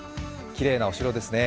きれいなお城ですね。